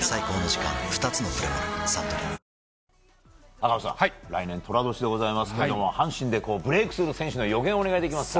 赤星さん、来年は寅年ですけど阪神でブレークする選手の予言をお願いできますか？